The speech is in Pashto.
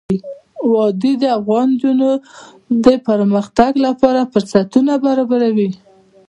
وادي د افغان نجونو د پرمختګ لپاره فرصتونه برابروي.